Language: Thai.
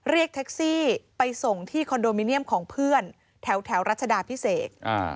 เรียกแท็กซี่ไปส่งที่คอนโดมิเนียมของเพื่อนแถวรัชดาพิเศษ